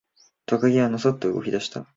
トカゲはのそっと動き出した。